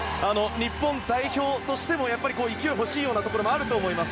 日本代表としても勢いが欲しいようなところもあると思います。